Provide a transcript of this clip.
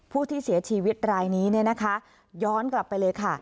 ผู้ที่เสียชีวิตรายนี้ย้อนกลับไปเลยค่ะ